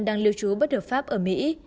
đang lưu trú bất hợp pháp ở mỹ